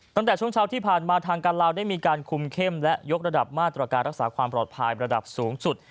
ตั้งแต่ช่วงเช้าที่ผ่านมาทางการลาวได้มีการคุมเข้มและยกระดับมาตรการรักษาความปลอดภัยระดับสูงสุด